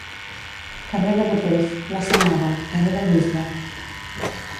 Carrer de Boters, plaça Nova, carrer del Bisbe.